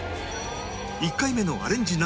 １回目のアレンジ Ｎｏ．１